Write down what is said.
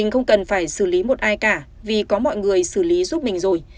không cần phải xử lý một ai cả vì có mọi người xử lý giúp mình rồi